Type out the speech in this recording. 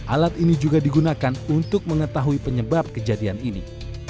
alat ini juga digunakan untuk mengetahui penyebab kejadian ini